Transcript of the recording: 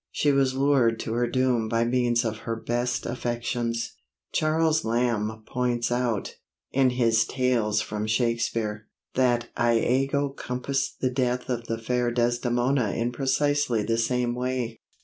She was lured to her doom by means of her best affections. Charles Lamb points out, in his Tales from Shakespeare, that Iago compassed the death of the fair Desdemona in precisely the same way.